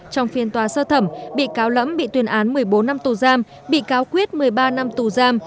trong phiên tòa sơ thẩm bị cáo lẫm bị tuyên án một mươi bốn năm tù giam bị cáo quyết một mươi ba năm tù giam